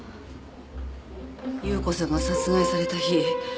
夕子さんが殺害された日。